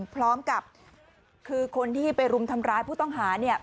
พร้อมกับคือคนที่ไปรุมทำร้ายผู้ต้องหาเนี่ย